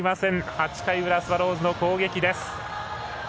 ８回裏、スワローズの攻撃です。